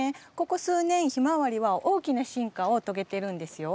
ここ数年ヒマワリは大きな進化を遂げてるんですよ。